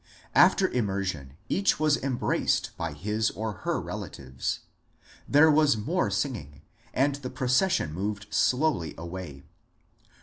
After immersion each was embraced by his or her relatives. There was more singing, and the procession moved slowly away.